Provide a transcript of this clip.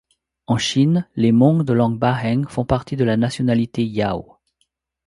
En Chine les Hmongs de langue baheng font partie de la nationalité yao.